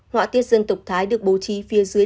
họa tiết dân tộc thái được bố trí phía dưới